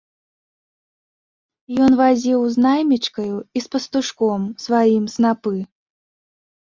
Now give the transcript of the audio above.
Ён вазіў з наймічкаю і з пастушком сваім снапы.